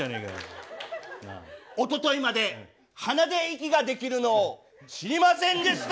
おとといまで鼻で息ができるのを知りませんでした。